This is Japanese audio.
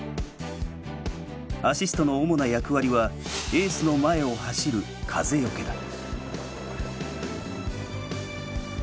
アシストの主な役割はエースの前を走る「風よけ」だ。